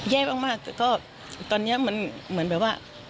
แย่มากแต่ก็ตอนนี้มันเหมือนแบบว่า